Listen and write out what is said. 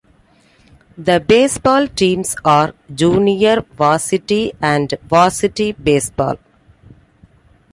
The baseball teams are: Junior Varsity and Varsity Baseball.